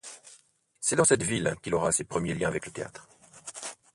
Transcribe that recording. C'est dans cette ville qu'il aura ses premiers liens avec le théâtre.